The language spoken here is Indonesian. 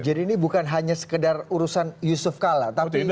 jadi ini bukan hanya sekedar urusan yusuf kalla tapi untuk bangsa indonesia